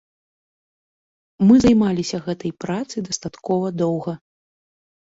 Мы займаліся гэтай працай дастаткова доўга.